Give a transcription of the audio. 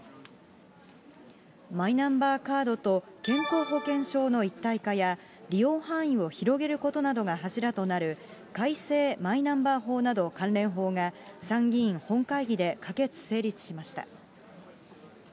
マイナンバーカードと健康保険証の一体化や、利用範囲を広げることなどが柱となる、改正マイナンバー法など関連法が、参議院本会議で可決・成立しました。